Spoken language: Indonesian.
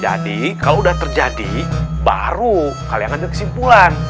jadi kalau udah terjadi baru kalian akan lihat kesimpulan